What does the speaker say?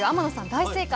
大正解。